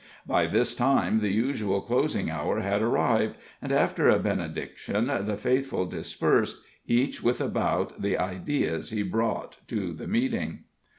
By this time the usual closing hour had arrived, and after a benediction the faithful dispersed, each with about the ideas he brought to the meeting.